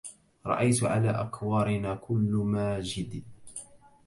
رأيت على أكوارنا كل ماجد